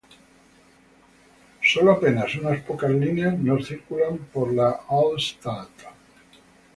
Sólo apenas unas pocas líneas no circulan por la Altstadt.